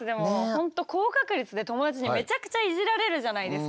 本当高確率で友達にめちゃくちゃいじられるじゃないですか。